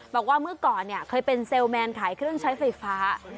บอกว่าเมื่อก่อนเนี่ยเคยเป็นเซลล์แมนขายเครื่องใช้ไฟฟ้า